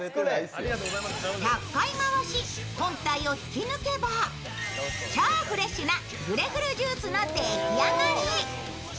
１００回回し本体を引き抜けば超フレッシュなグレフルジュースの出来上がり。